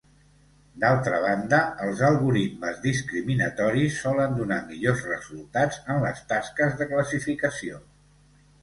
D'altra banda, els algoritmes discriminatoris solen donar millors resultats en les tasques de classificació.